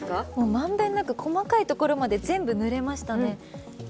満遍なく細かいところまで全部塗れましたね。